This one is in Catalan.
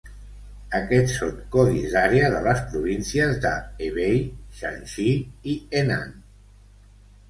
Aquests són codis d'àrea de les províncies de Hebei, Shanxi i Henan.